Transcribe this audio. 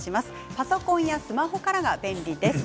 パソコンやスマホからが便利です。